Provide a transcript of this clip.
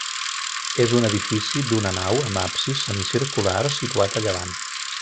És un edifici d'una nau amb absis semicircular situat a llevant.